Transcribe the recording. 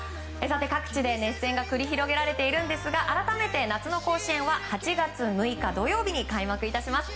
各地で熱戦が繰り広げられているんですが改めて夏の甲子園は８月６日土曜日に開幕します。